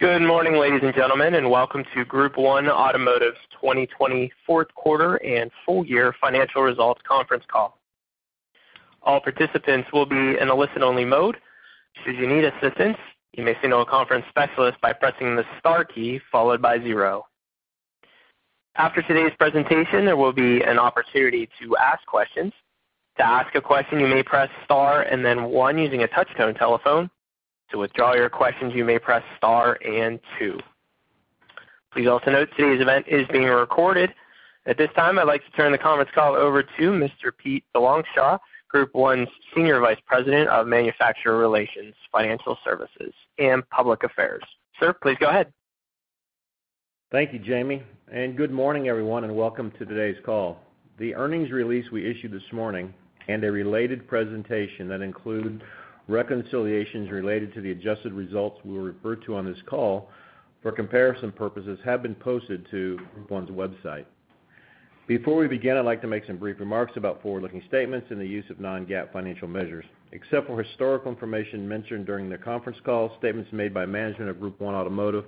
Good morning, ladies and gentlemen, welcome to Group 1 Automotive's 2020 fourth quarter and full year financial results conference call. All participants will be in a listen-only mode. Should you need assistance, you may signal a conference specialist by pressing the star key followed by zero. After today's presentation, there will be an opportunity to ask questions. To ask a question, you may press star and then one using a touch-tone telephone. To withdraw your questions, you may press star and two. Please also note today's event is being recorded. At this time, I'd like to turn the conference call over to Mr. Pete DeLongchamps, Group 1's Senior Vice President of Manufacturer Relations, Financial Services, and Public Affairs. Sir, please go ahead. Thank you, Jamie. Good morning, everyone, and welcome to today's call. The earnings release we issued this morning and a related presentation that include reconciliations related to the adjusted results we will refer to on this call for comparison purposes have been posted to Group 1's website. Before we begin, I'd like to make some brief remarks about forward-looking statements and the use of non-GAAP financial measures. Except for historical information mentioned during the conference call, statements made by management of Group 1 Automotive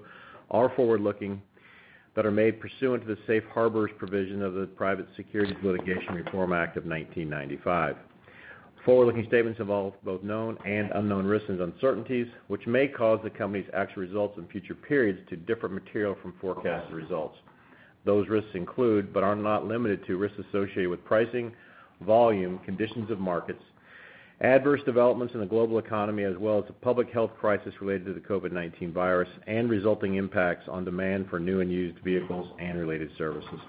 are forward-looking that are made pursuant to the safe harbors provision of the Private Securities Litigation Reform Act of 1995. Forward-looking statements involve both known and unknown risks and uncertainties, which may cause the company's actual results in future periods to differ materially from forecasted results. Those risks include, but are not limited to, risks associated with pricing, volume, conditions of markets, adverse developments in the global economy, as well as the public health crisis related to the COVID-19 virus and resulting impacts on demand for new and used vehicles and related services.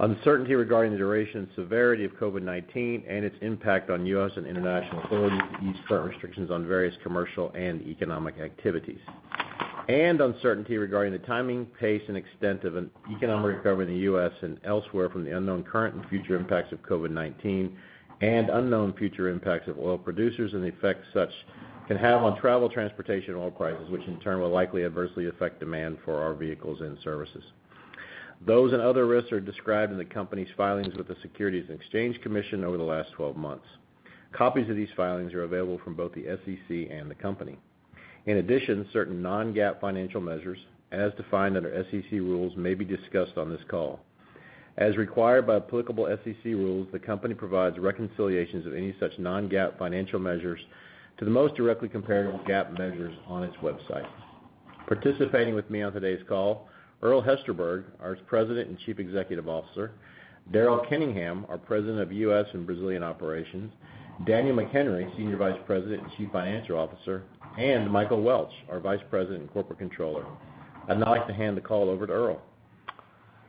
Uncertainty regarding the duration and severity of COVID-19 and its impact on U.S. and international authorities to ease current restrictions on various commercial and economic activities. Uncertainty regarding the timing, pace, and extent of an economic recovery in the U.S. and elsewhere from the unknown current and future impacts of COVID-19, and unknown future impacts of oil producers and the effect such can have on travel, transportation, and oil prices, which in turn will likely adversely affect demand for our vehicles and services. Those and other risks are described in the company's filings with the Securities and Exchange Commission over the last 12 months. Copies of these filings are available from both the SEC and the company. In addition, certain non-GAAP financial measures, as defined under SEC rules, may be discussed on this call. As required by applicable SEC rules, the company provides reconciliations of any such non-GAAP financial measures to the most directly comparable GAAP measures on its website. Participating with me on today's call, Earl Hesterberg, our President and Chief Executive Officer; Daryl Kenningham, our President of U.S. and Brazilian Operations; Daniel McHenry, Senior Vice President and Chief Financial Officer; and Michael Welch, our Vice President and Corporate Controller. I'd now like to hand the call over to Earl.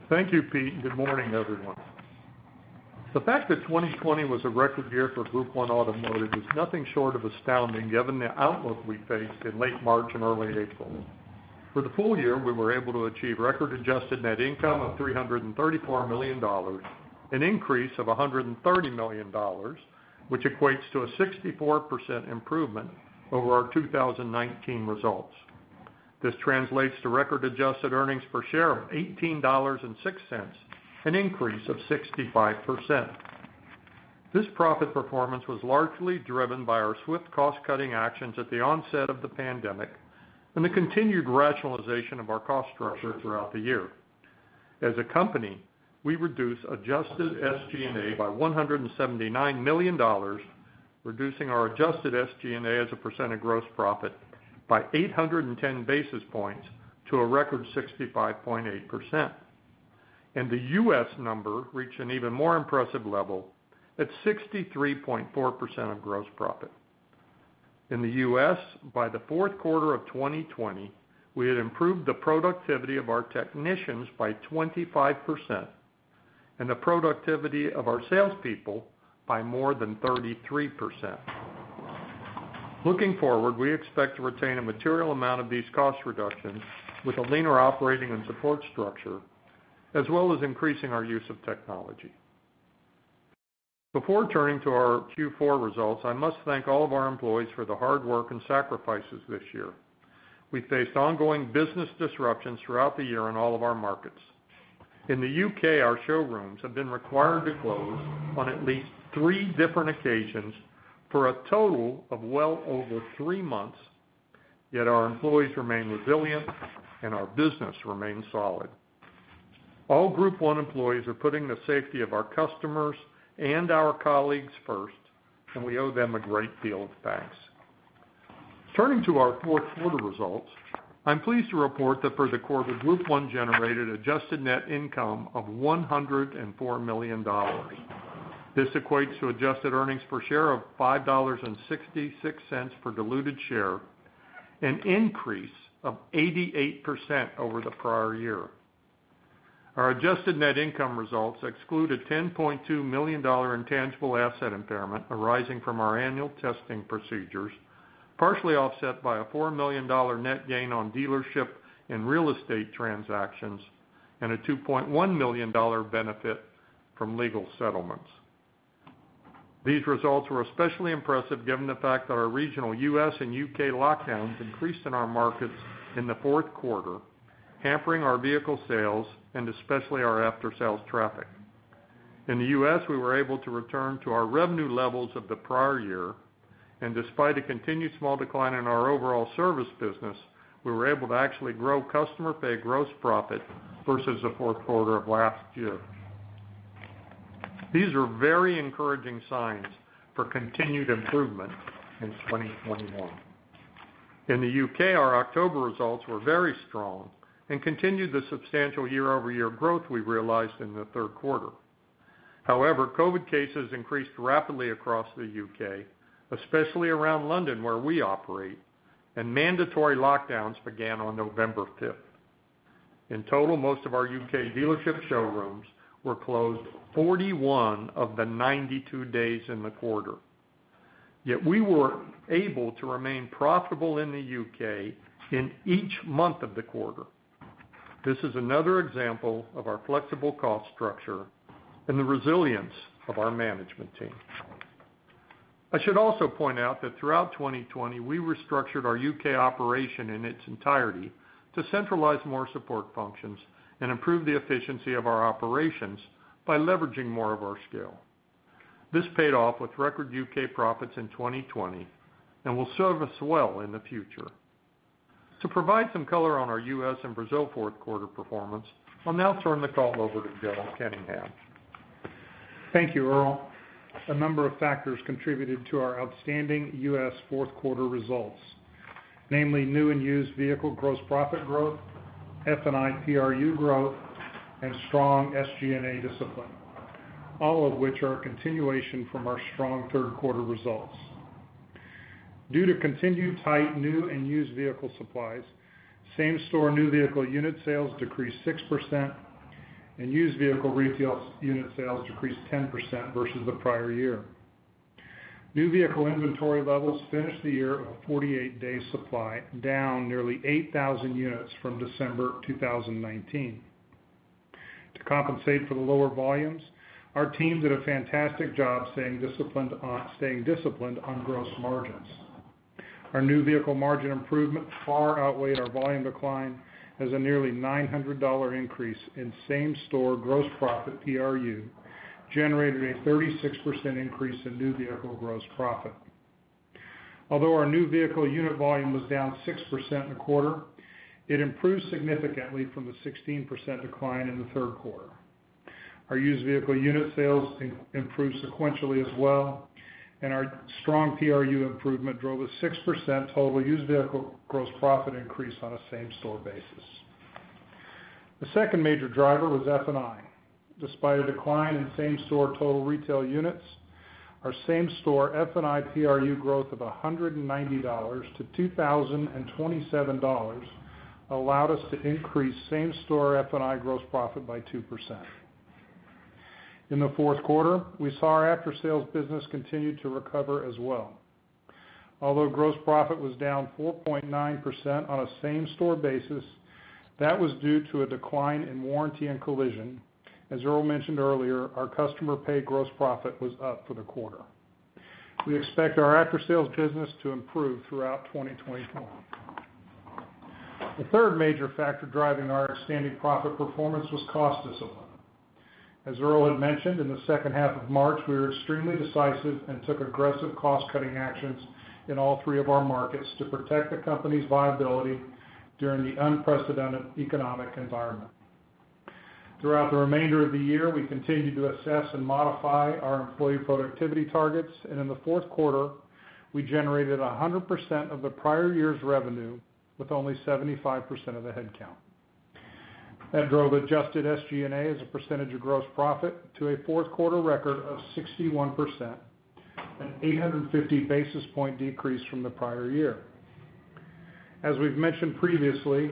Thank you, Pete. Good morning, everyone. The fact that 2020 was a record year for Group 1 Automotive is nothing short of astounding given the outlook we faced in late March and early April. For the full year, we were able to achieve record adjusted net income of $334 million, an increase of $130 million, which equates to a 64% improvement over our 2019 results. This translates to record adjusted earnings per share of $18.06, an increase of 65%. This profit performance was largely driven by our swift cost-cutting actions at the onset of the pandemic and the continued rationalization of our cost structure throughout the year. As a company, we reduced adjusted SG&A by $179 million, reducing our adjusted SG&A as a percent of gross profit by 810 basis points to a record 65.8%. The U.S. number reached an even more impressive level at 63.4% of gross profit. In the U.S., by the fourth quarter of 2020, we had improved the productivity of our technicians by 25% and the productivity of our salespeople by more than 33%. Looking forward, we expect to retain a material amount of these cost reductions with a leaner operating and support structure, as well as increasing our use of technology. Before turning to our Q4 results, I must thank all of our employees for the hard work and sacrifices this year. We faced ongoing business disruptions throughout the year in all of our markets. In the U.K., our showrooms have been required to close on at least three different occasions for a total of well over three months, yet our employees remain resilient and our business remains solid. All Group 1 employees are putting the safety of our customers and our colleagues first, and we owe them a great deal of thanks. Turning to our fourth quarter results, I'm pleased to report that for the quarter, Group 1 generated adjusted net income of $104 million. This equates to adjusted earnings per share of $5.66 per diluted share, an increase of 88% over the prior year. Our adjusted net income results exclude a $10.2 million intangible asset impairment arising from our annual testing procedures, partially offset by a $4 million net gain on dealership and real estate transactions and a $2.1 million benefit from legal settlements. These results were especially impressive given the fact that our regional U.S. and U.K. lockdowns increased in our markets in the fourth quarter, hampering our vehicle sales and especially our after-sales traffic. In the U.S., we were able to return to our revenue levels of the prior year. Despite a continued small decline in our overall service business, we were able to actually grow customer paid gross profit versus the fourth quarter of last year. These are very encouraging signs for continued improvement in 2021. In the U.K., our October results were very strong and continued the substantial year-over-year growth we realized in the third quarter. COVID-19 cases increased rapidly across the U.K., especially around London, where we operate, and mandatory lockdowns began on November 5th. Most of our U.K. dealership showrooms were closed 41 of the 92 days in the quarter. We were able to remain profitable in the U.K. in each month of the quarter. This is another example of our flexible cost structure and the resilience of our management team. I should also point out that throughout 2020, we restructured our U.K. operation in its entirety to centralize more support functions and improve the efficiency of our operations by leveraging more of our scale. This paid off with record U.K. profits in 2020 and will serve us well in the future. To provide some color on our U.S. and Brazil fourth quarter performance, I'll now turn the call over to Daryl Kenningham. Thank you, Earl. A number of factors contributed to our outstanding U.S. fourth quarter results, namely new and used vehicle gross profit growth, F&I PRU growth, and strong SG&A discipline, all of which are a continuation from our strong third quarter results. Due to continued tight new and used vehicle supplies, same-store new vehicle unit sales decreased 6%, and used vehicle retail unit sales decreased 10% versus the prior year. New vehicle inventory levels finished the year of a 48-day supply, down nearly 8,000 units from December 2019. To compensate for the lower volumes, our teams did a fantastic job staying disciplined on gross margins. Our new vehicle margin improvement far outweighed our volume decline as a nearly $900 increase in Same-Store Gross Profit PRU generated a 36% increase in new vehicle gross profit. Although our new vehicle unit volume was down 6% in the quarter, it improved significantly from the 16% decline in the third quarter. Our used vehicle unit sales improved sequentially as well, and our strong PRU improvement drove a 6% total used vehicle gross profit increase on a same-store basis. The second major driver was F&I. Despite a decline in same-store total retail units, our Same-Store F&I PRU growth of $190-$2,027 allowed us to increase Same-Store F&I gross profit by 2%. In the fourth quarter, we saw our after-sales business continue to recover as well. Although gross profit was down 4.9% on a same-store basis, that was due to a decline in warranty and collision. As Earl mentioned earlier, our customer paid gross profit was up for the quarter. We expect our after-sales business to improve throughout 2021. The third major factor driving our outstanding profit performance was cost discipline. As Earl had mentioned, in the second half of March, we were extremely decisive and took aggressive cost-cutting actions in all three of our markets to protect the company's viability during the unprecedented economic environment. Throughout the remainder of the year, we continued to assess and modify our employee productivity targets, and in the fourth quarter, we generated 100% of the prior year's revenue with only 75% of the headcount. That drove adjusted SG&A as a percentage of gross profit to a fourth quarter record of 61%, an 850 basis point decrease from the prior year. As we've mentioned previously,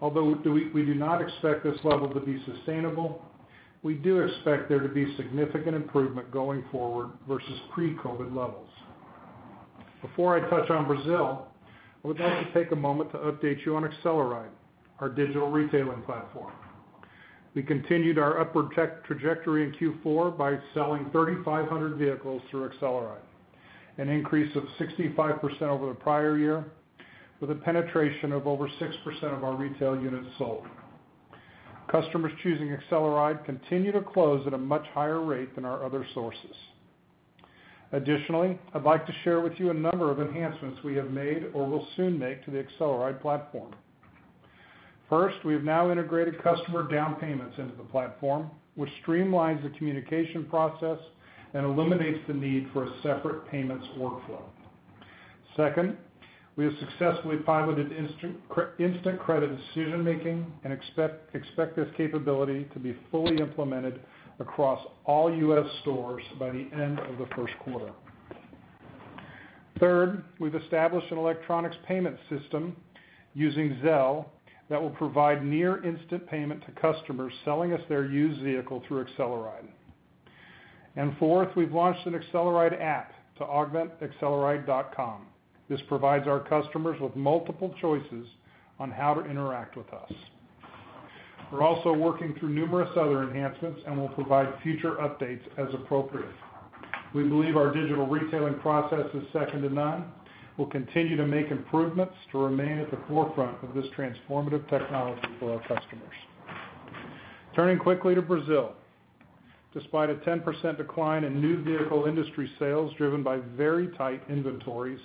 although we do not expect this level to be sustainable, we do expect there to be significant improvement going forward versus pre-COVID-19 levels. Before I touch on Brazil, I would like to take a moment to update you on AcceleRide, our digital retailing platform. We continued our upward trajectory in Q4 by selling 3,500 vehicles through AcceleRide, an increase of 65% over the prior year with a penetration of over 6% of our retail units sold. Customers choosing AcceleRide continue to close at a much higher rate than our other sources. Additionally, I'd like to share with you a number of enhancements we have made or will soon make to the AcceleRide platform. First, we have now integrated customer down payments into the platform, which streamlines the communication process and eliminates the need for a separate payments workflow. Second, we have successfully piloted instant credit decision-making and expect this capability to be fully implemented across all U.S. stores by the end of the first quarter. Third, we've established an electronics payment system using Zelle that will provide near-instant payment to customers selling us their used vehicle through AcceleRide. Fourth, we've launched an AcceleRide app to augment acceleride.com. This provides our customers with multiple choices on how to interact with us. We're also working through numerous other enhancements and will provide future updates as appropriate. We believe our digital retailing process is second to none. We'll continue to make improvements to remain at the forefront of this transformative technology for our customers. Turning quickly to Brazil. Despite a 10% decline in new vehicle industry sales driven by very tight inventories,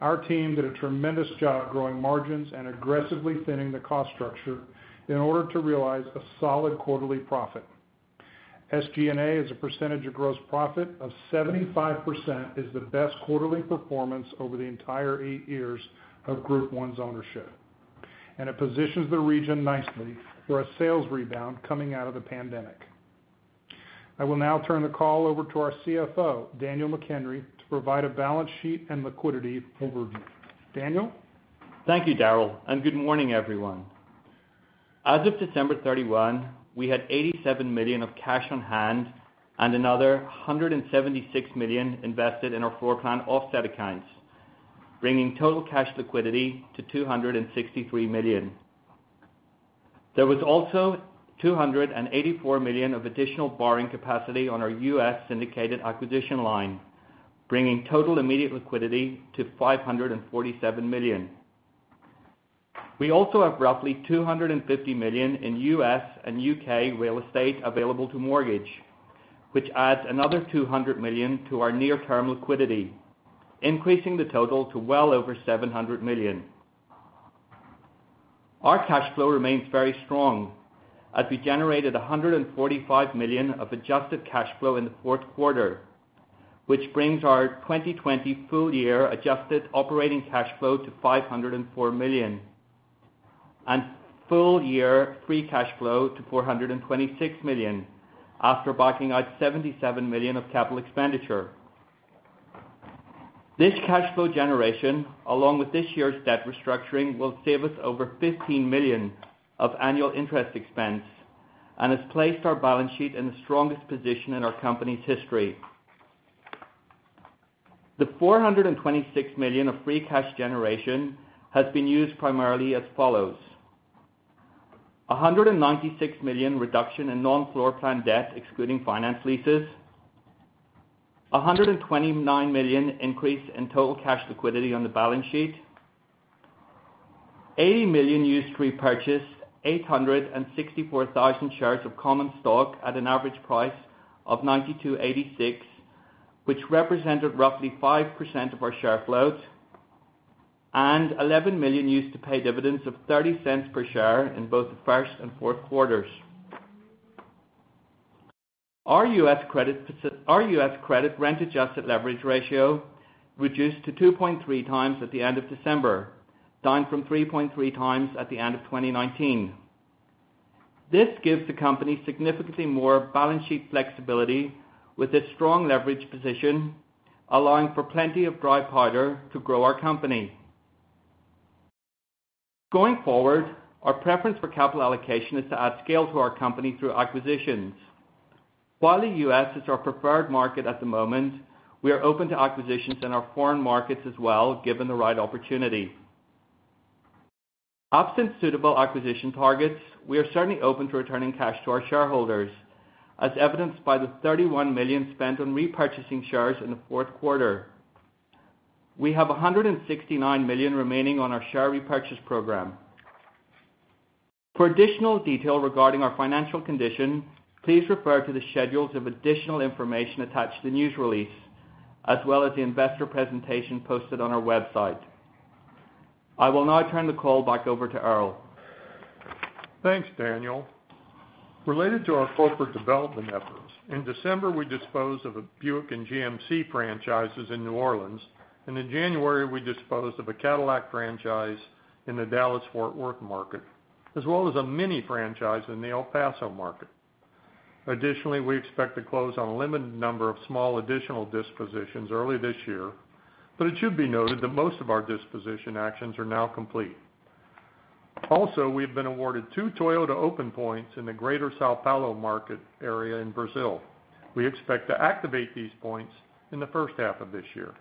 our team did a tremendous job growing margins and aggressively thinning the cost structure in order to realize a solid quarterly profit. SG&A as a percentage of gross profit of 75% is the best quarterly performance over the entire eight years of Group 1's ownership, and it positions the region nicely for a sales rebound coming out of the pandemic. I will now turn the call over to our CFO, Daniel McHenry, to provide a balance sheet and liquidity overview. Daniel? Thank you, Daryl. Good morning, everyone. As of December 31, we had $87 million of cash on hand and another $176 million invested in our floor plan offset accounts, bringing total cash liquidity to $263 million. There was also $284 million of additional borrowing capacity on our U.S. syndicated acquisition line, bringing total immediate liquidity to $547 million. We also have roughly $250 million in U.S. and U.K. real estate available to mortgage, which adds another $200 million to our near-term liquidity, increasing the total to well over $700 million. Our cash flow remains very strong as we generated $145 million of adjusted cash flow in the fourth quarter, which brings our 2020 full year adjusted operating cash flow to $504 million, and full year free cash flow to $426 million after backing out $77 million of capital expenditure. This cash flow generation, along with this year's debt restructuring, will save us over $15 million of annual interest expense and has placed our balance sheet in the strongest position in our company's history. The $426 million of free cash generation has been used primarily as follows: $196 million reduction in non-floor plan debt excluding finance leases, $129 million increase in total cash liquidity on the balance sheet, $80 million used to repurchase 864,000 shares of common stock at an average price of $92.86, which represented roughly 5% of our share float, and $11 million used to pay dividends of $0.30 per share in both the first and fourth quarters. Our U.S. credit rent-adjusted leverage ratio reduced to 2.3x at the end of December, down from 3.3x at the end of 2019. This gives the company significantly more balance sheet flexibility with its strong leverage position, allowing for plenty of dry powder to grow our company. Going forward, our preference for capital allocation is to add scale to our company through acquisitions. While the U.S. is our preferred market at the moment, we are open to acquisitions in our foreign markets as well, given the right opportunity. Absent suitable acquisition targets, we are certainly open to returning cash to our shareholders, as evidenced by the $31 million spent on repurchasing shares in the fourth quarter. We have $169 million remaining on our share repurchase program. For additional detail regarding our financial condition, please refer to the schedules of additional information attached to the news release, as well as the investor presentation posted on our website. I will now turn the call back over to Earl. Thanks, Daniel. Related to our corporate development efforts, in December, we disposed of a Buick and GMC franchises in New Orleans, and in January, we disposed of a Cadillac franchise in the Dallas-Fort Worth market, as well as a MINI franchise in the El Paso market. Additionally, we expect to close on a limited number of small additional dispositions early this year, but it should be noted that most of our disposition actions are now complete. We have been awarded two Toyota open points in the greater São Paulo market area in Brazil. We expect to activate these points in the first half of this year.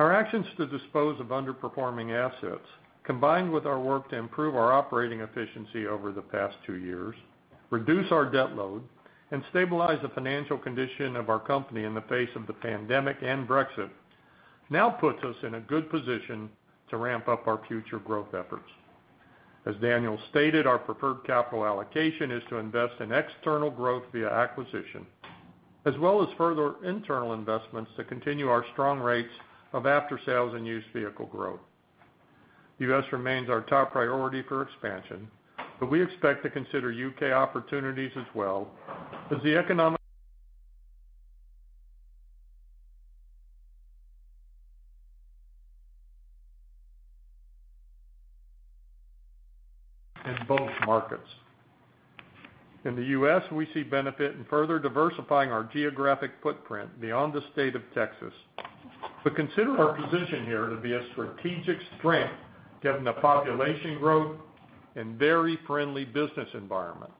Our actions to dispose of underperforming assets, combined with our work to improve our operating efficiency over the past two years, reduce our debt load, and stabilize the financial condition of our company in the face of the pandemic and Brexit, now puts us in a good position to ramp up our future growth efforts. As Daniel stated, our preferred capital allocation is to invest in external growth via acquisition, as well as further internal investments to continue our strong rates of after-sales and used vehicle growth. U.S. remains our top priority for expansion, but we expect to consider U.K. opportunities as well as the economic in both markets. In the U.S., we see benefit in further diversifying our geographic footprint beyond the state of Texas, but consider our position here to be a strategic strength given the population growth and very friendly business environment,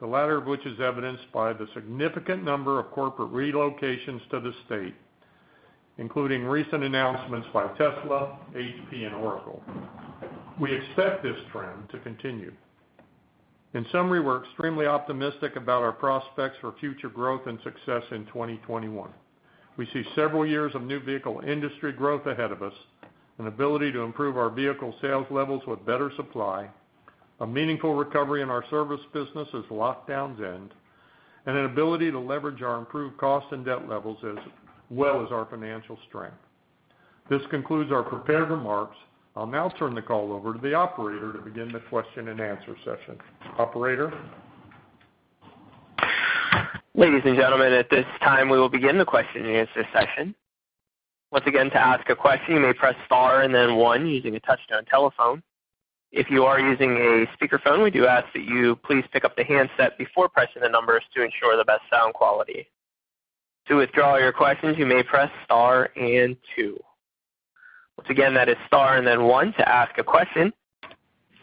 the latter of which is evidenced by the significant number of corporate relocations to the state, including recent announcements by Tesla, HP, and Oracle. We expect this trend to continue. In summary, we're extremely optimistic about our prospects for future growth and success in 2021. We see several years of new vehicle industry growth ahead of us, an ability to improve our vehicle sales levels with better supply, a meaningful recovery in our service business as lockdowns end, and an ability to leverage our improved cost and debt levels, as well as our financial strength. This concludes our prepared remarks. I'll now turn the call over to the operator to begin the question and answer session. Operator? Ladies and gentlemen, at this time, we will begin the question and answer session. Once again, to ask a question, you may press star and then one using a touch-tone telephone. If you are using a speakerphone, we do ask that you please pick up the handset before pressing the numbers to ensure the best sound quality. To withdraw your questions, you may press star and two. Once again, that is star and then one to ask a question.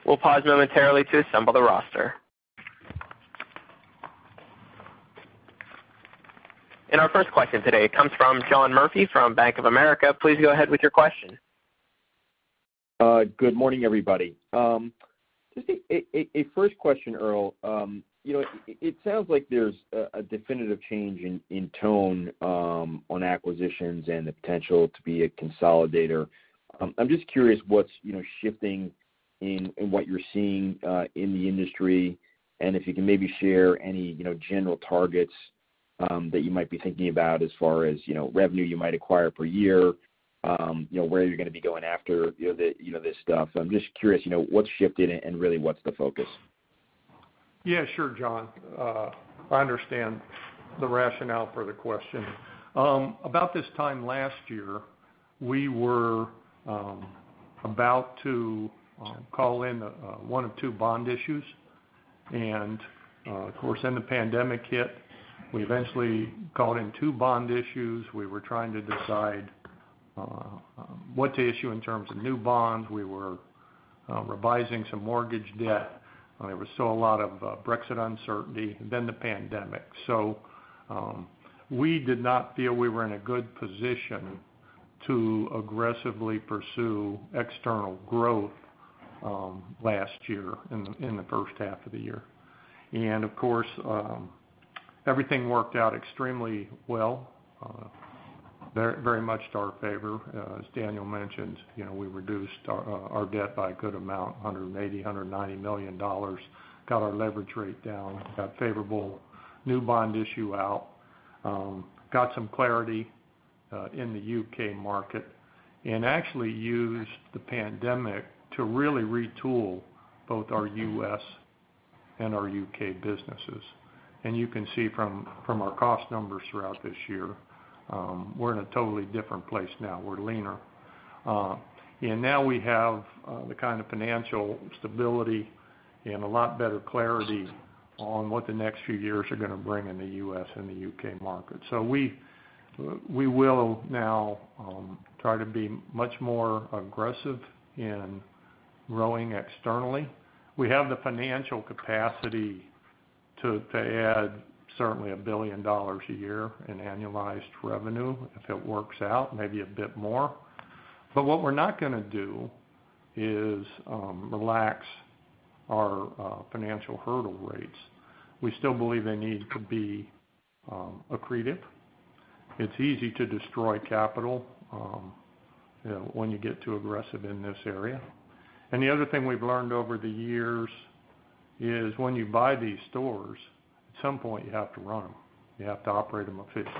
We'll pause momentarily to assemble the roster. Our first question today comes from John Murphy from Bank of America. Please go ahead with your question. Good morning, everybody. Just a first question, Earl. It sounds like there's a definitive change in tone on acquisitions and the potential to be a consolidator. I'm just curious what's shifting in what you're seeing in the industry, and if you can maybe share any general targets that you might be thinking about as far as revenue you might acquire per year, where you're going to be going after this stuff. I'm just curious, what's shifted and really what's the focus? Yeah, sure, John. I understand the rationale for the question. About this time last year, we were about to call in one of two bond issues. Of course, then the pandemic hit. We eventually called in two bond issues. We were trying to decide what to issue in terms of new bonds. We were revising some mortgage debt. There was still a lot of Brexit uncertainty, then the pandemic. We did not feel we were in a good position to aggressively pursue external growth last year in the first half of the year. Of course, everything worked out extremely well, very much to our favor. As Daniel mentioned, we reduced our debt by a good amount, $180 million, $190 million, got our leverage rate down, got favorable new bond issue out, got some clarity in the U.K. market, and actually used the pandemic to really retool both our U.S. and our U.K. businesses. You can see from our cost numbers throughout this year, we're in a totally different place now. We're leaner. Now we have the kind of financial stability and a lot better clarity on what the next few years are going to bring in the U.S. and the U.K. market. We will now try to be much more aggressive in growing externally. We have the financial capacity to add certainly $1 billion a year in annualized revenue. If it works out, maybe a bit more. What we're not going to do is relax our financial hurdle rates. We still believe they need to be accretive. It's easy to destroy capital when you get too aggressive in this area. The other thing we've learned over the years is when you buy these stores, at some point you have to run them. You have to operate them efficiently.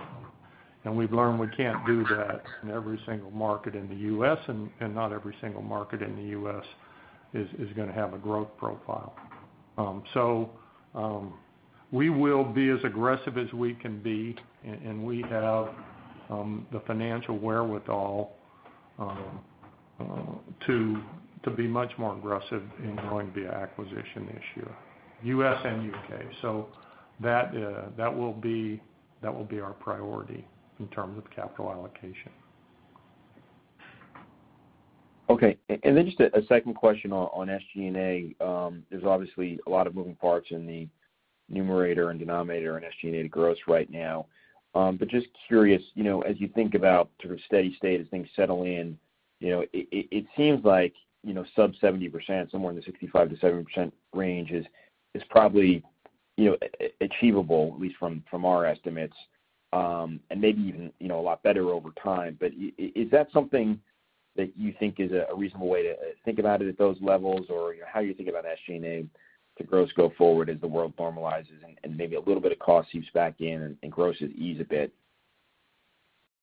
We've learned we can't do that in every single market in the U.S., and not every single market in the U.S. is going to have a growth profile. We will be as aggressive as we can be, and we have the financial wherewithal to be much more aggressive in growing via acquisition this year, U.S. and U.K. That will be our priority in terms of capital allocation. Okay. Just a second question on SG&A. There's obviously a lot of moving parts in the numerator and denominator in SG&A gross right now. Just curious, as you think about sort of steady state as things settle in, it seems like sub 70%, somewhere in the 65%-70% range is probably achievable, at least from our estimates, and maybe even a lot better over time. Is that something that you think is a reasonable way to think about it at those levels? Or how you think about SG&A to gross go forward as the world normalizes, and maybe a little bit of cost seeps back in and gross in ease a bit?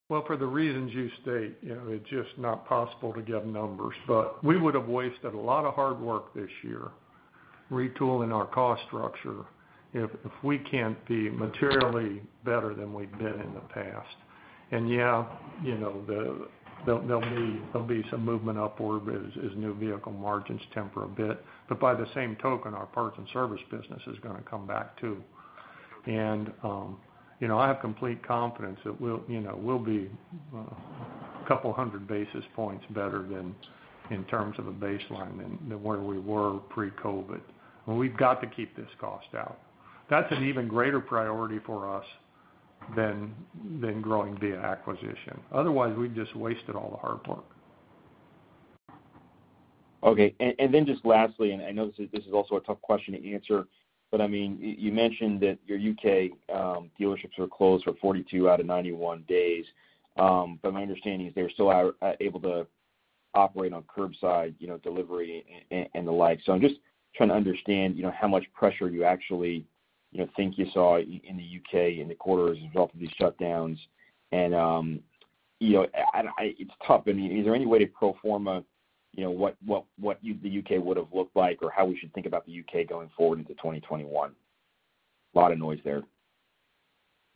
Well, for the reasons you state, it's just not possible to give numbers. We would have wasted a lot of hard work this year retooling our cost structure if we can't be materially better than we've been in the past. Yeah, there'll be some movement upward as new vehicle margins temper a bit. By the same token, our parts and service business is going to come back, too. I have complete confidence that we'll be a couple of 100 basis points better than in terms of the baseline than where we were pre-COVID. We've got to keep this cost out. That's an even greater priority for us than growing via acquisition. Otherwise, we've just wasted all the hard work. Okay. Just lastly, I know this is also a tough question to answer, you mentioned that your U.K. dealerships were closed for 42 out of 91 days. My understanding is they were still able to operate on curbside delivery and the like. I'm just trying to understand how much pressure you actually think you saw in the U.K. in the quarter as a result of these shutdowns. It's tough. Is there any way to pro forma what the U.K. would've looked like or how we should think about the U.K. going forward into 2021? Lot of noise there.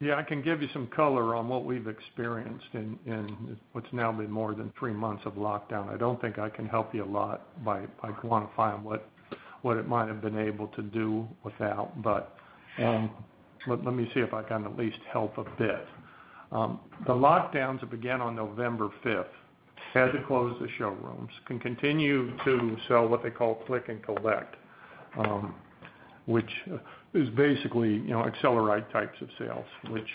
Yeah, I can give you some color on what we've experienced in what's now been more than three months of lockdown. I don't think I can help you a lot by quantifying what it might have been able to do without, but let me see if I can at least help a bit. The lockdowns that began on November 5th had to close the showrooms, can continue to sell what they call click and collect, which is basically, AcceleRide types of sales, which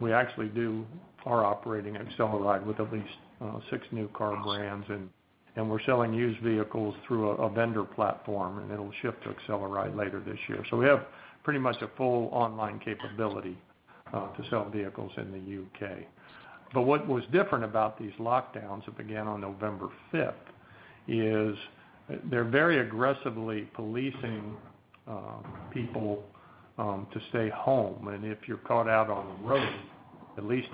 we actually do our operating AcceleRide with at least six new car brands. We're selling used vehicles through a vendor platform, and it'll shift to AcceleRide later this year. We have pretty much a full online capability to sell vehicles in the U.K. What was different about these lockdowns that began on November 5th is they're very aggressively policing people to stay home. If you're caught out on the road, at least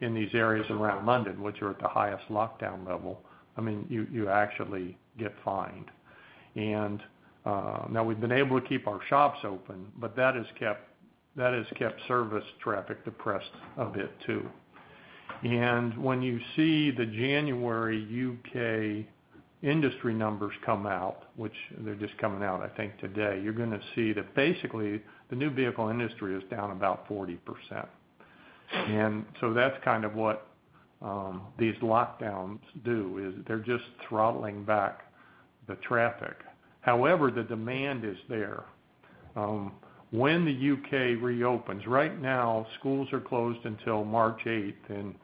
in these areas around London, which are at the highest lockdown level, you actually get fined. Now we've been able to keep our shops open, but that has kept service traffic depressed a bit, too. When you see the January U.K. industry numbers come out, which they're just coming out, I think today, you're going to see that basically the new vehicle industry is down about 40%. That's what these lockdowns do, is they're just throttling back the traffic. However, the demand is there. When the U.K. reopens, right now, schools are closed until March 8th, and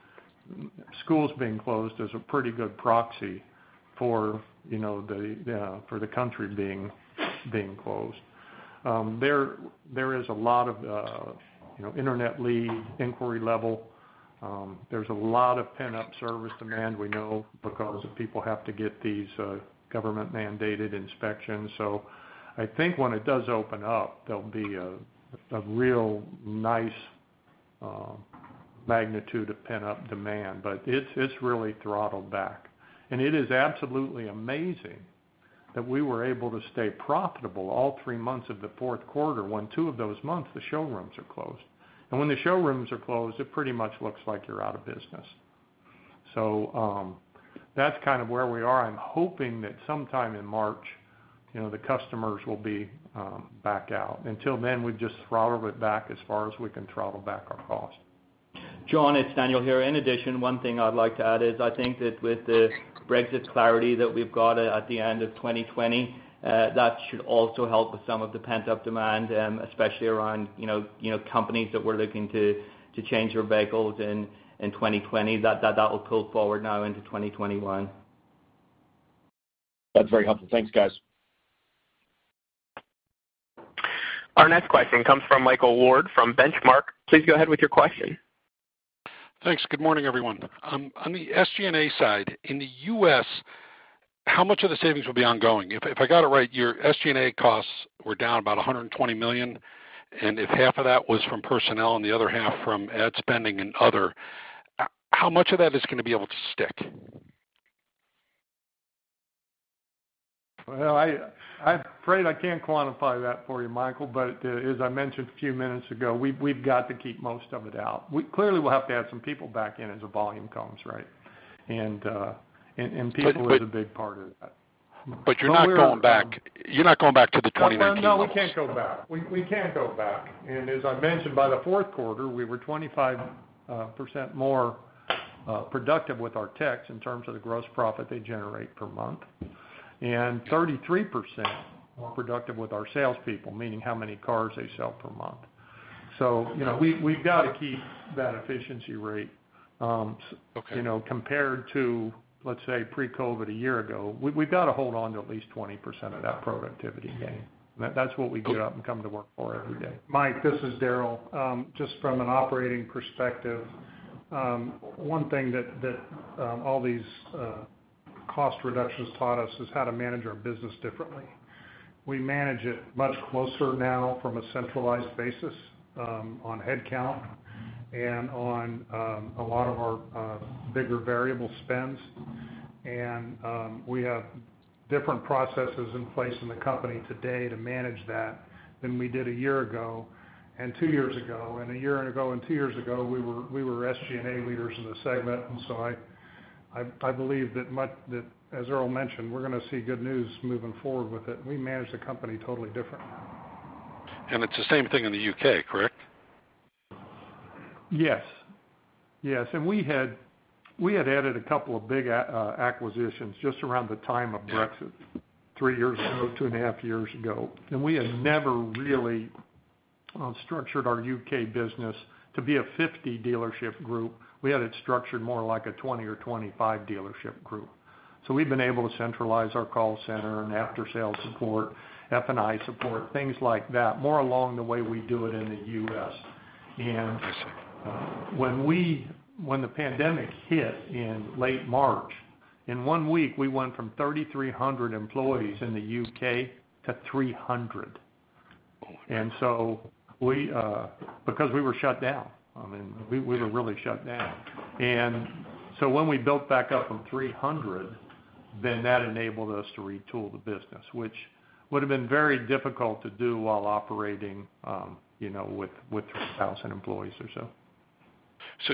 schools being closed is a pretty good proxy for the country being closed. There is a lot of internet lead inquiry level. There's a lot of pent-up service demand we know because people have to get these government-mandated inspections. I think when it does open up, there'll be a real nice magnitude of pent-up demand, but it's really throttled back. It is absolutely amazing that we were able to stay profitable all three months of the fourth quarter when two of those months the showrooms are closed. When the showrooms are closed, it pretty much looks like you're out of business. That's kind of where we are. I'm hoping that sometime in March, the customers will be back out. Until then, we've just throttled it back as far as we can throttle back our cost. John, it's Daniel here. In addition, one thing I'd like to add is I think that with the Brexit clarity that we've got at the end of 2020, that should also help with some of the pent-up demand, especially around companies that were looking to change their vehicles in 2020, that will pull forward now into 2021. That's very helpful. Thanks, guys. Our next question comes from Michael Ward from Benchmark. Please go ahead with your question. Thanks. Good morning, everyone. On the SG&A side, in the U.S., how much of the savings will be ongoing? If I got it right, your SG&A costs were down about $120 million, and if half of that was from personnel and the other half from ad spending and other, how much of that is going to be able to stick? Well, I'm afraid I can't quantify that for you, Michael. As I mentioned a few minutes ago, we've got to keep most of it out. Clearly, we'll have to add some people back in as the volume comes, right? People are the big part of that. You're not going back to the 2019 levels? We can't go back. We can't go back. As I mentioned, by the fourth quarter, we were 25% more productive with our techs in terms of the gross profit they generate per month, and 33% more productive with our salespeople, meaning how many cars they sell per month. We've got to keep that efficiency rate. Okay. Compared to, let's say, pre-COVID a year ago. We've got to hold on to at least 20% of that productivity gain. That's what we get up and come to work for every day. Mike, this is Daryl. Just from an operating perspective, one thing that all these cost reductions taught us is how to manage our business differently. We manage it much closer now from a centralized basis, on head count and on a lot of our bigger variable spends. We have different processes in place in the company today to manage that than we did a year ago, and two years ago. A year ago and two years ago, we were SG&A leaders in the segment. I believe that as Earl mentioned, we're going to see good news moving forward with it. We manage the company totally different now. It's the same thing in the U.K., correct? Yes. We had added a couple of big acquisitions just around the time of Brexit three years ago, two and a half years ago. We had never really structured our U.K. business to be a 50-dealership group. We had it structured more like a 20 or 25-dealership group. We've been able to centralize our call center and after-sales support, F&I support, things like that, more along the way we do it in the U.S. When the pandemic hit in late March, in one week, we went from 3,300 employees in the U.K. to 300. Because we were shut down. We were really shut down. When we built back up from 300, then that enabled us to retool the business, which would've been very difficult to do while operating with 3,000 employees or so.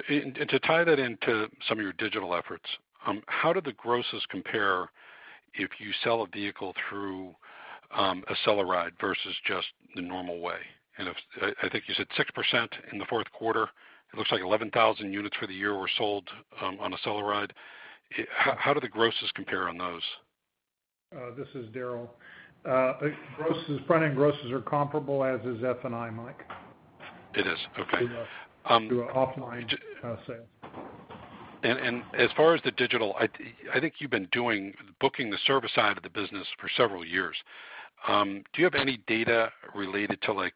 To tie that into some of your digital efforts, how do the grosses compare if you sell a vehicle through a AcceleRide versus just the normal way? If, I think you said 6% in the fourth quarter. It looks like 11,000 units for the year were sold on a AcceleRide. How do the grosses compare on those? This is Daryl. Front-end grosses are comparable, as is F&I, Mike. It is, okay. Through offline sales. As far as the digital, I think you've been doing booking the service side of the business for several years. Do you have any data related to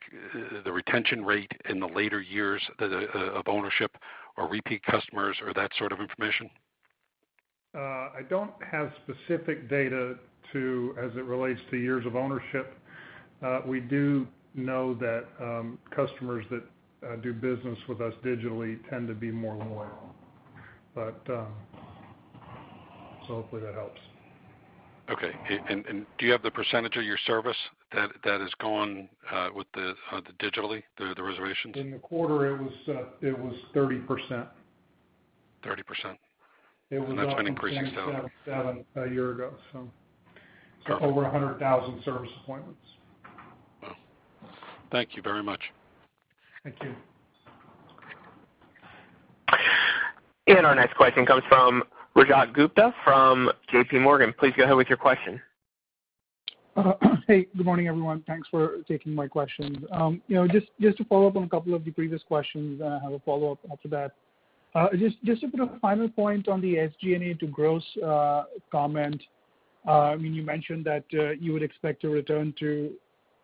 the retention rate in the later years of ownership or repeat customers or that sort of information? I don't have specific data as it relates to years of ownership. We do know that customers that do business with us digitally tend to be more loyal. Hopefully that helps. Okay. Do you have the percentage of your service that has gone with digitally, the reservations? In the quarter, it was 30%. 30%. That's been increasing steadily. It was up from 27 a year ago, so over 100,000 service appointments. Wow. Thank you very much. Thank you. Our next question comes from Rajat Gupta from JPMorgan. Please go ahead with your question. Hey, good morning, everyone. Thanks for taking my questions. Just to follow up on a couple of the previous questions, I have a follow-up after that. Just to put a final point on the SG&A to gross comment. You mentioned that you would expect to return to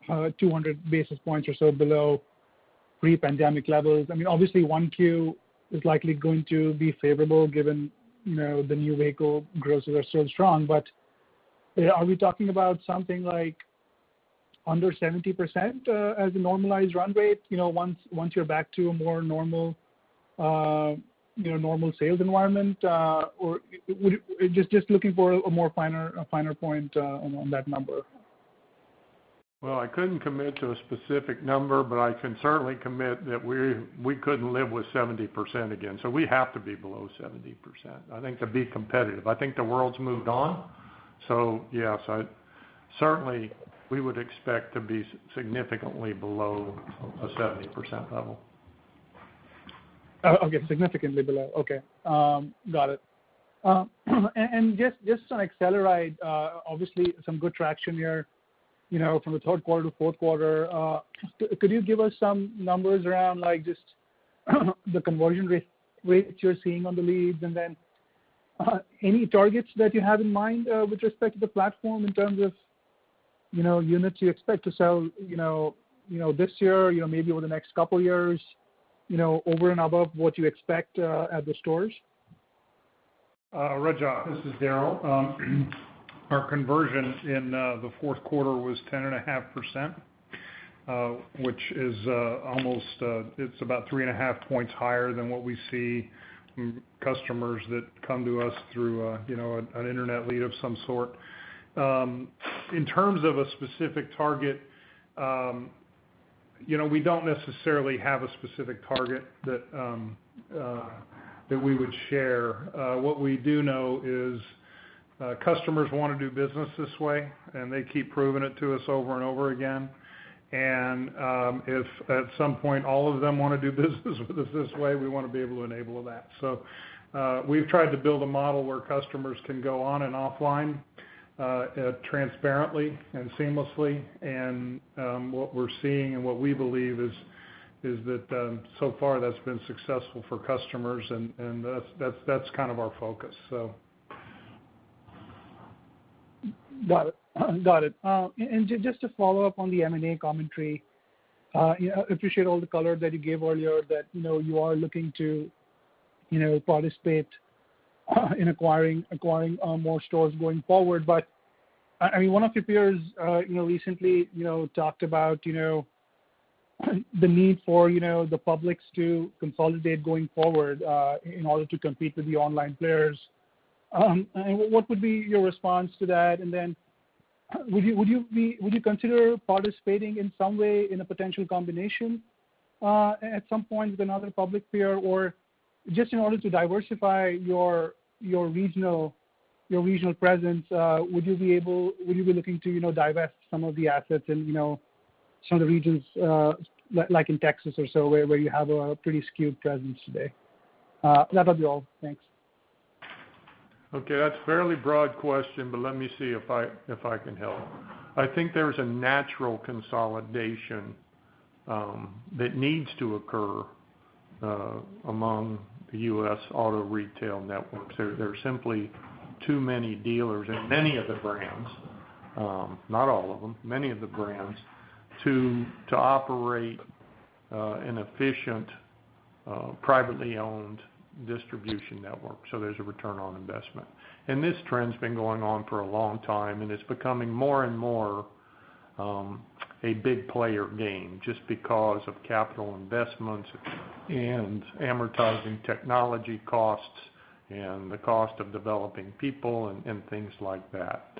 200 basis points or so below pre-pandemic levels. Obviously, 1Q is likely going to be favorable given the new vehicle grosses are still strong. Are we talking about something like under 70% as a normalized run rate once you're back to a more normal sales environment? Just looking for a more finer point on that number. Well, I couldn't commit to a specific number, but I can certainly commit that we couldn't live with 70% again, so we have to be below 70%, I think, to be competitive. I think the world's moved on. Yes, certainly, we would expect to be significantly below a 70% level. Okay. Significantly below. Okay. Got it. Just on AcceleRide, obviously some good traction here from the third quarter to fourth quarter. Could you give us some numbers around just the conversion rates you're seeing on the leads? Any targets that you have in mind with respect to the platform in terms of units you expect to sell this year, maybe over the next couple of years, over and above what you expect at the stores? Rajat, this is Daryl. Our conversion in the fourth quarter was 10.5%, which is about 3.5 points higher than what we see from customers that come to us through an internet lead of some sort. In terms of a specific target, we don't necessarily have a specific target that we would share. What we do know is customers want to do business this way, and they keep proving it to us over and over again. If at some point all of them want to do business with us this way, we want to be able to enable that. We've tried to build a model where customers can go on and offline transparently and seamlessly. What we're seeing and what we believe is that so far that's been successful for customers and that's kind of our focus. Got it. Just to follow up on the M&A commentary. Appreciate all the color that you gave earlier that you are looking to participate in acquiring more stores going forward. One of your peers recently talked about the need for the publics to consolidate going forward in order to compete with the online players. What would be your response to that? Would you consider participating in some way in a potential combination at some point with another public peer? Just in order to diversify your regional presence, would you be looking to divest some of the assets in some of the regions, like in Texas or so, where you have a pretty skewed presence today? That would be all. Thanks. That's a fairly broad question, let me see if I can help. I think there's a natural consolidation that needs to occur among the U.S. auto retail networks. There are simply too many dealers in many of the brands, not all of them, many of the brands, to operate an efficient, privately owned distribution network, there's a return on investment. This trend's been going on for a long time, it's becoming more and more a big player game just because of capital investments and amortizing technology costs and the cost of developing people and things like that.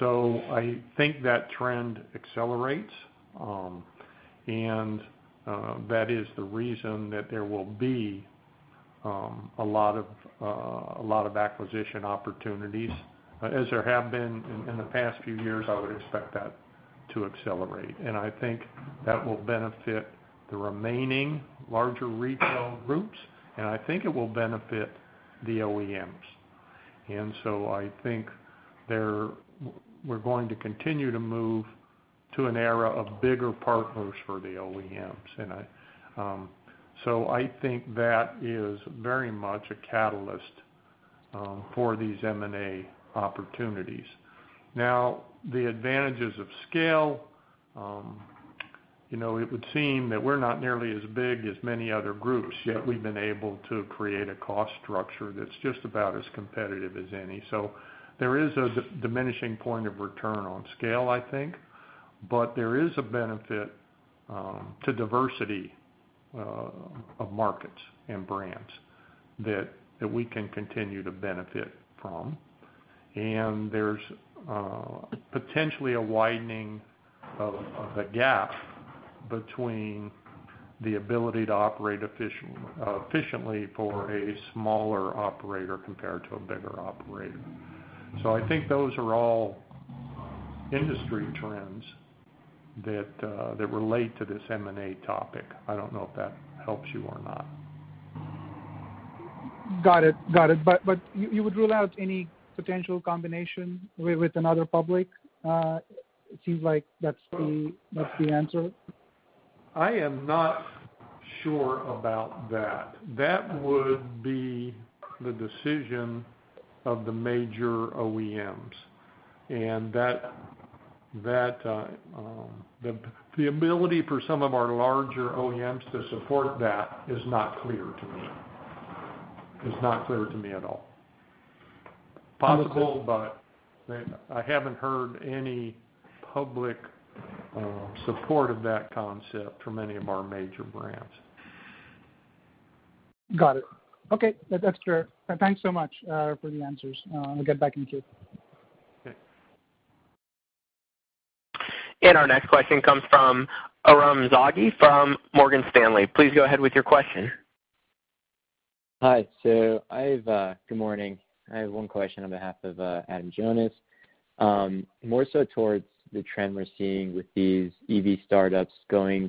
I think that trend accelerates, that is the reason that there will be a lot of acquisition opportunities, as there have been in the past few years. I would expect that to accelerate. I think that will benefit the remaining larger retail groups, and I think it will benefit the OEMs. I think we're going to continue to move to an era of bigger partners for the OEMs. I think that is very much a catalyst for these M&A opportunities. Now, the advantages of scale, it would seem that we're not nearly as big as many other groups, yet we've been able to create a cost structure that's just about as competitive as any. There is a diminishing point of return on scale, I think. There is a benefit to diversity of markets and brands that we can continue to benefit from. There is potentially a widening of a gap between the ability to operate efficiently for a smaller operator compared to a bigger operator. I think those are all industry trends that relate to this M&A topic. I don't know if that helps you or not. Got it. You would rule out any potential combination with another public? It seems like that's the answer. I am not sure about that. That would be the decision of the major OEMs. The ability for some of our larger OEMs to support that is not clear to me. It's not clear to me at all. Possible, but I haven't heard any public support of that concept for many of our major brands. Got it. Okay. That's fair. Thanks so much for the answers. I'll get back in queue. Okay. Our next question comes from Aram Zoghi from Morgan Stanley. Please go ahead with your question. Hi. Good morning. I have one question on behalf of Adam Jonas. More so towards the trend we're seeing with these EV startups going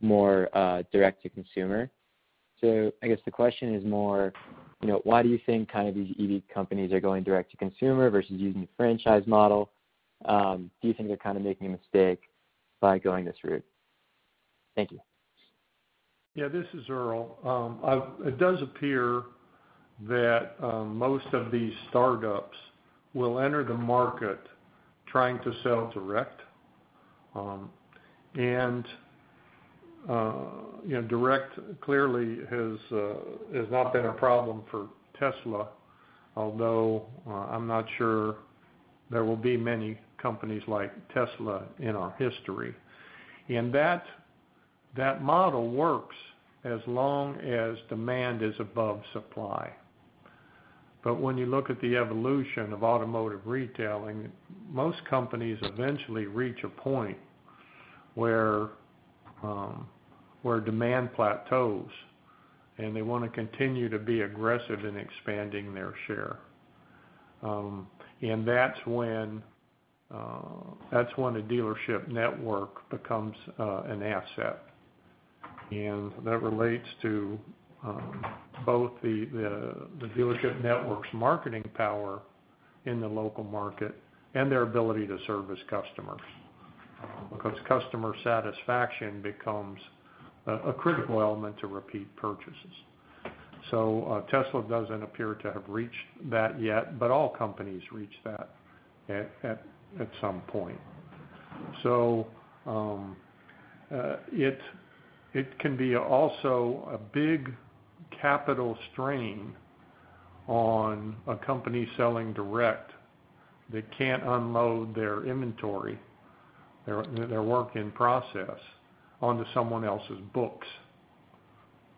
more direct to consumer. I guess the question is more, why do you think these EV companies are going direct to consumer versus using the franchise model? Do you think they're kind of making a mistake by going this route? Thank you. Yeah, this is Earl. It does appear that most of these startups will enter the market trying to sell direct. Direct clearly has not been a problem for Tesla, although I'm not sure there will be many companies like Tesla in our history. That model works as long as demand is above supply. When you look at the evolution of automotive retailing, most companies eventually reach a point where demand plateaus, and they want to continue to be aggressive in expanding their share. That's when a dealership network becomes an asset. That relates to both the dealership network's marketing power in the local market and their ability to service customers, because customer satisfaction becomes a critical element to repeat purchases. Tesla doesn't appear to have reached that yet, but all companies reach that at some point. It can be also a big capital strain on a company selling direct that can't unload their inventory, their work in process, onto someone else's books.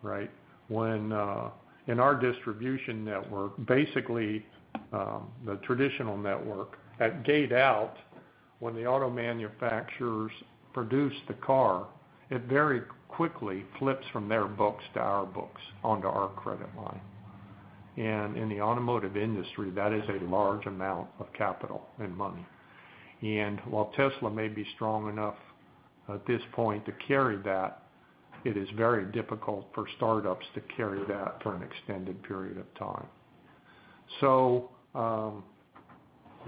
Right? In our distribution network, basically, the traditional network, at gate out, when the auto manufacturers produce the car, it very quickly flips from their books to our books onto our credit line. In the automotive industry, that is a large amount of capital and money. While Tesla may be strong enough at this point to carry that, it is very difficult for startups to carry that for an extended period of time. Yeah,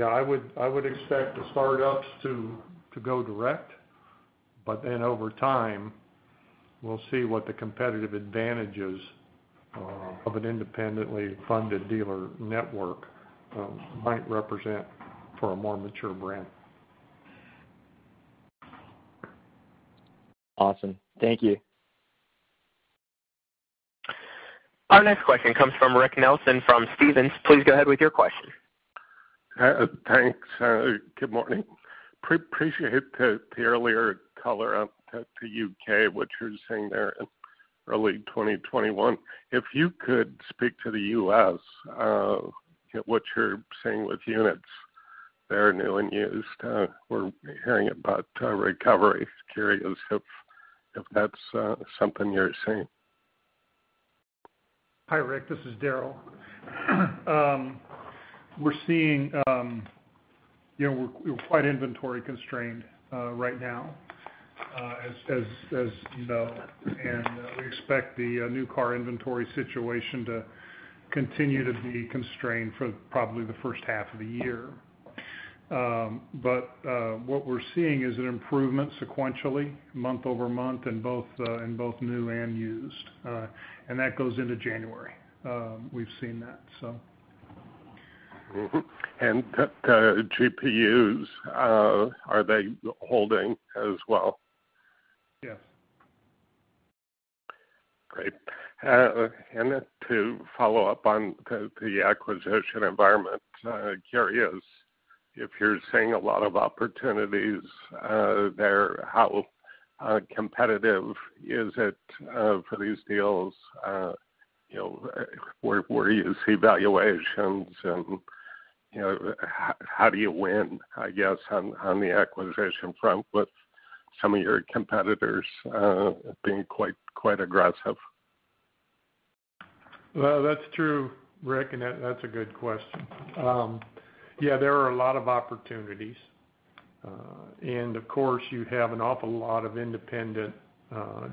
I would expect the startups to go direct, over time, we'll see what the competitive advantages of an independently funded dealer network might represent for a more mature brand. Awesome. Thank you. Our next question comes from Rick Nelson from Stephens. Please go ahead with your question. Thanks. Good morning. Appreciate the earlier color up at the U.K., what you're seeing there in early 2021. If you could speak to the U.S., what you're seeing with units there, new and used. We're hearing about recovery. Curious if that's something you're seeing. Hi, Rick. This is Daryl. We're quite inventory constrained right now, as you know. We expect the new car inventory situation to continue to be constrained for probably the first half of the year. What we're seeing is an improvement sequentially month-over-month in both new and used, and that goes into January. We've seen that. Mm-hmm. GPUs, are they holding as well? Yes. Great. To follow up on the acquisition environment, curious if you're seeing a lot of opportunities there, how competitive is it for these deals? Where do you see valuations and how do you win, I guess, on the acquisition front with some of your competitors being quite aggressive? Well, that's true, Rick, and that's a good question. Yeah, there are a lot of opportunities. Of course, you have an awful lot of independent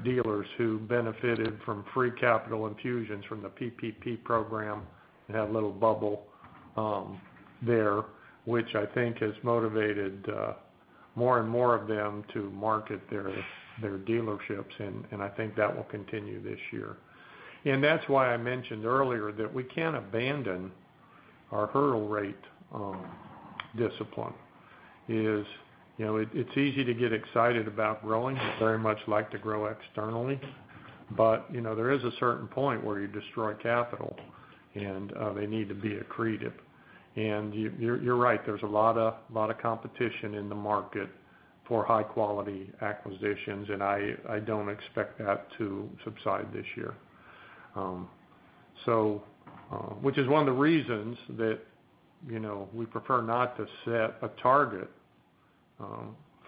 dealers who benefited from free capital infusions from the PPP program and had a little bubble there, which I think has motivated more and more of them to market their dealerships, and I think that will continue this year. That's why I mentioned earlier that we can't abandon our hurdle rate discipline. It's easy to get excited about growing. We very much like to grow externally, but there is a certain point where you destroy capital, and they need to be accretive. You're right, there's a lot of competition in the market for high-quality acquisitions, and I don't expect that to subside this year. Which is one of the reasons that we prefer not to set a target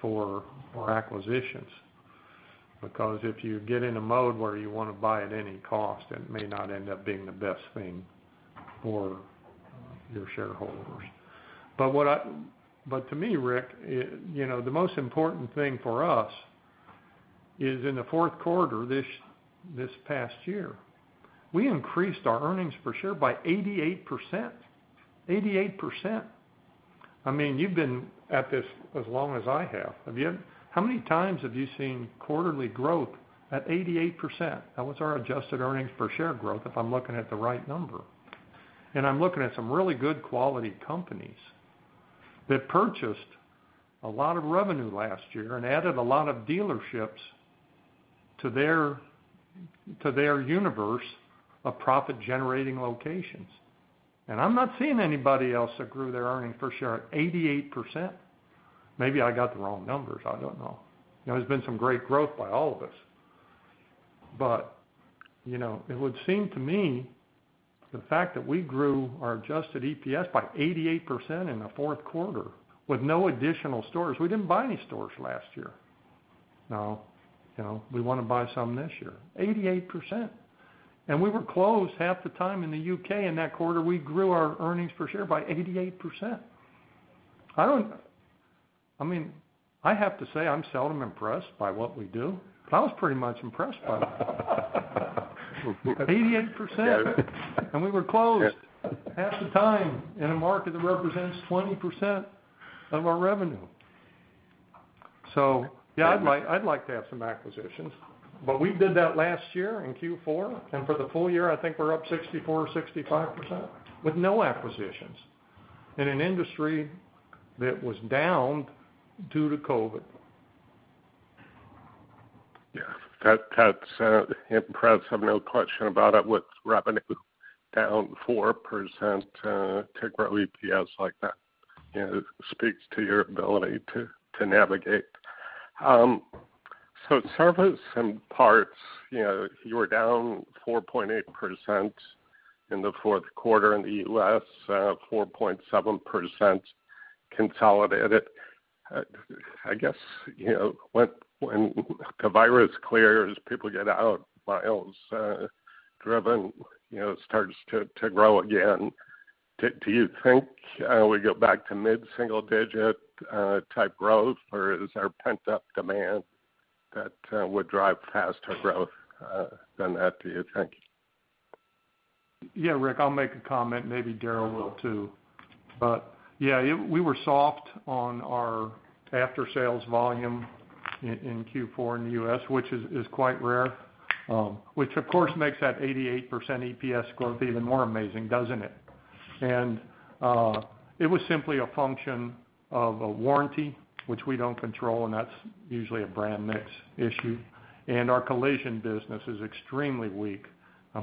for acquisitions because if you get in a mode where you want to buy at any cost, it may not end up being the best thing for your shareholders. To me, Rick, the most important thing for us is in the fourth quarter, this past year, we increased our earnings per share by 88%. You've been at this as long as I have. How many times have you seen quarterly growth at 88%? That was our adjusted earnings per share growth, if I'm looking at the right number. I'm looking at some really good quality companies that purchased a lot of revenue last year and added a lot of dealerships to their universe of profit-generating locations. I'm not seeing anybody else that grew their earnings per share at 88%. Maybe I got the wrong numbers, I don't know. There's been some great growth by all of us. It would seem to me the fact that we grew our adjusted EPS by 88% in the fourth quarter with no additional stores, we didn't buy any stores last year. Now, we want to buy some this year. 88%. We were closed half the time in the U.K. in that quarter, we grew our earnings per share by 88%. I have to say, I'm seldom impressed by what we do, but I was pretty much impressed by that. Yeah. 88%, and we were closed half the time in a market that represents 20% of our revenue. Yeah, I'd like to have some acquisitions. We did that last year in Q4, and for the full year, I think we're up 64 or 65% with no acquisitions in an industry that was down due to COVID. Yeah. That's impressive. No question about it. With revenue down 4%, to grow EPS like that, speaks to your ability to navigate. Service and parts, you were down 4.8% in the fourth quarter in the U.S., 4.7% consolidated. I guess, when the virus clears, people get out, miles driven starts to grow again. Do you think we go back to mid-single digit type growth, or is there pent-up demand that would drive faster growth than that, do you think? Yeah, Rick, I'll make a comment. Maybe Daryl will too. Yeah, we were soft on our after-sales volume in Q4 in the U.S., which is quite rare, which of course, makes that 88% EPS growth even more amazing, doesn't it? It was simply a function of a warranty, which we don't control, and that's usually a brand mix issue. Our collision business is extremely weak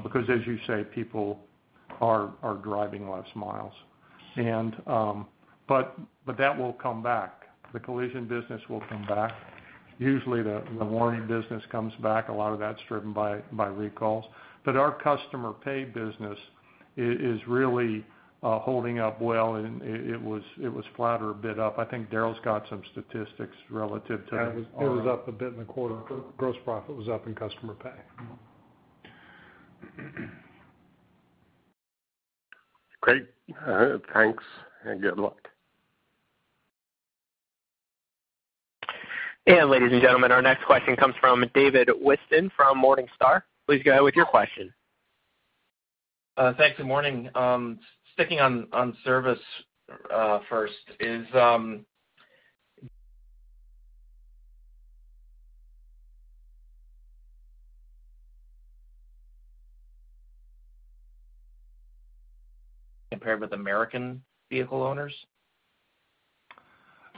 because, as you say, people are driving less miles. That will come back. The collision business will come back. Usually, the warranty business comes back. A lot of that's driven by recalls. Our customer pay business is really holding up well, and it was flat or a bit up. I think Daryl's got some statistics relative to our. It was up a bit in the quarter. Gross profit was up in customer pay. Great. Thanks, and good luck. Ladies and gentlemen, our next question comes from David Whiston from Morningstar. Please go ahead with your question. Thanks, morning. Sticking on service first is, compared with American vehicle owners?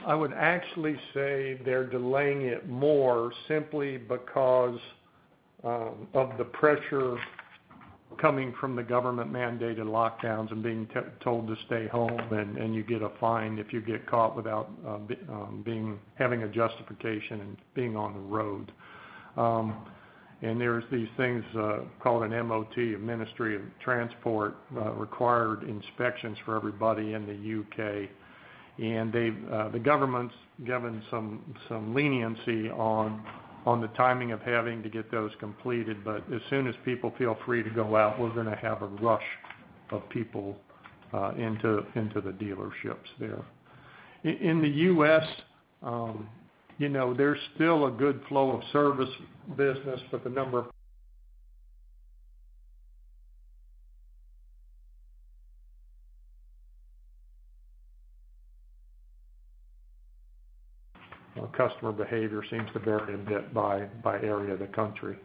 I would actually say they're delaying it more simply because of the pressure coming from the government-mandated lockdowns and being told to stay home, and you get a fine if you get caught without having a justification and being on the road. There's these things called an MOT, a Ministry of Transport, required inspections for everybody in the U.K. The government's given some leniency on the timing of having to get those completed. As soon as people feel free to go out, we're going to have a rush of people into the dealerships there. In the U.S., there's still a good flow of service business, but the number of customer behavior seems to vary a bit by area of the country.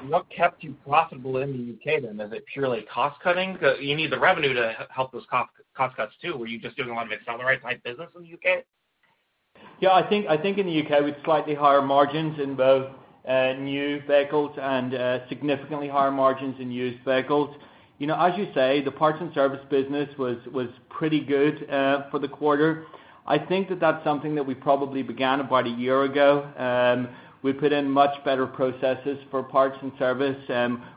What kept you profitable in the U.K. then? Is it purely cost cutting? You need the revenue to help those cost cuts too. Were you just doing a lot of AcceleRide type business in the U.K.? Yeah, I think in the U.K., with slightly higher margins in both new vehicles and significantly higher margins in used vehicles. As you say, the parts and service business was pretty good for the quarter. I think that that's something that we probably began about a year ago. We put in much better processes for parts and service.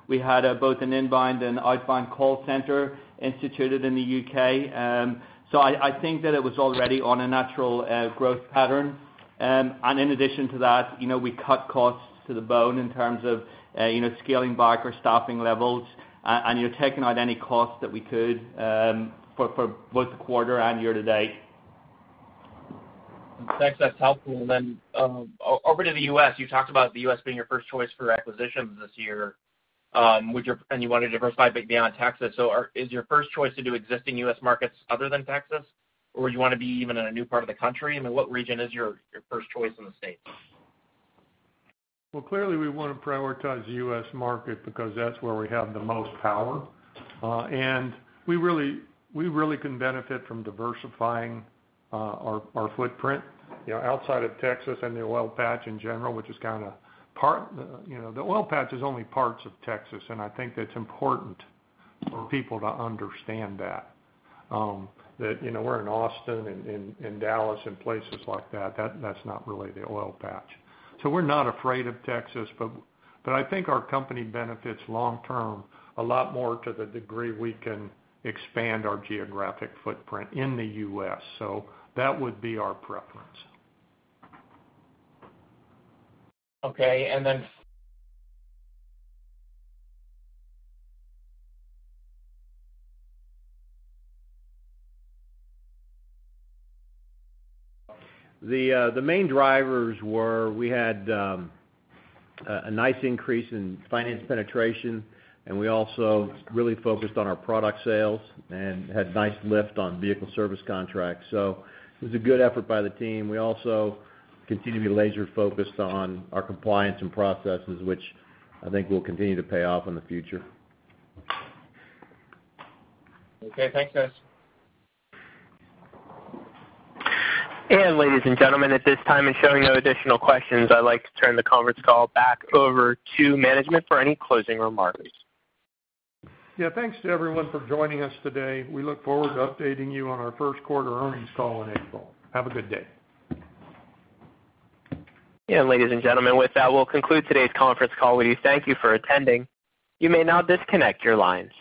We had both an inbound and outbound call center instituted in the U.K. I think that it was already on a natural growth pattern. In addition to that, we cut costs to the bone in terms of scaling back our staffing levels and taking out any cost that we could for both the quarter and year to date. Thanks. That's helpful. Over to the U.S., you talked about the U.S. being your first choice for acquisitions this year, and you want to diversify big beyond Texas. Is your first choice to do existing U.S. markets other than Texas? Do you want to be even in a new part of the country? I mean, what region is your first choice in the States? Well, clearly, we want to prioritize the U.S. market because that's where we have the most power. We really can benefit from diversifying our footprint outside of Texas and the oil patch in general. The oil patch is only parts of Texas, and I think that's important for people to understand that. That we're in Austin, in Dallas, and places like that. That's not really the oil patch. We're not afraid of Texas, but I think our company benefits long term a lot more to the degree we can expand our geographic footprint in the U.S. That would be our preference. Okay. The main drivers were we had a nice increase in finance penetration, and we also really focused on our product sales and had nice lift on vehicle service contracts. It was a good effort by the team. We also continue to be laser-focused on our compliance and processes, which I think will continue to pay off in the future. Okay. Thanks, guys. Ladies and gentlemen, at this time and showing no additional questions, I'd like to turn the conference call back over to management for any closing remarks. Yeah. Thanks to everyone for joining us today. We look forward to updating you on our first quarter earnings call in April. Have a good day. Ladies and gentlemen, with that, we'll conclude today's conference call. We thank you for attending. You may now disconnect your lines.